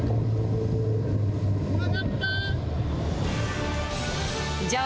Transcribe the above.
曲がった。